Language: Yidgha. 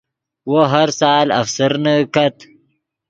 وو ہر سال افسرنے کت